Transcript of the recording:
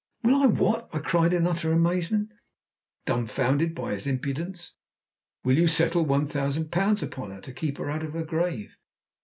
"Will I what?" I cried in utter amazement dumbfounded by his impudence. "Will you settle one thousand pounds upon her, to keep her out of her grave?"